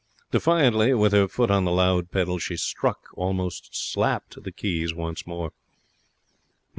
Defiantly, with her foot on the loud pedal, she struck almost slapped the keys once more.